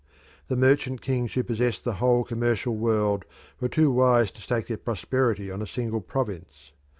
The merchant kings who possessed the whole commercial world were too wise to stake their prosperity on a single province.